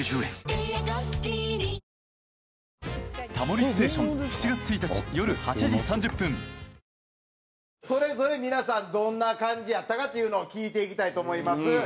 これで糖質オフなんてそれぞれ皆さんどんな感じやったかっていうのを聞いていきたいと思います。